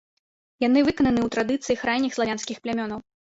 Ён выкананы ў традыцыях ранніх славянскіх плямёнаў.